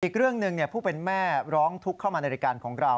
อีกเรื่องหนึ่งผู้เป็นแม่ร้องทุกข์เข้ามาในรายการของเรา